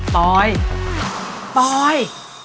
ปลอยปลอย